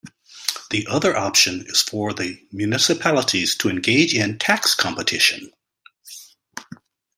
The other option is for the municipalities to engage in tax competition.